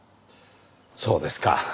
そうですか。